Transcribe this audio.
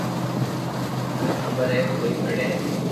مني خبر ھي ڪوئي پڙي